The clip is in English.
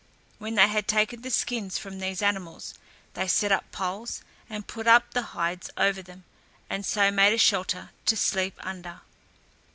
When they had taken the skins from these animals, they set up poles and put the hides over them, and so made a shelter to sleep under.